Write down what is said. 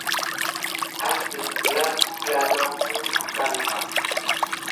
Adef gəlva sulà nà wune akane ɓa.